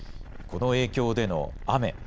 この影響での雨。